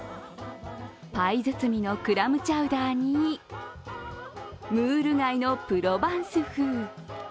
パイ包みのクラムチャウダーに、ムール貝のプロバンス風。